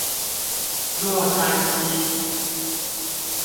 洛杉磯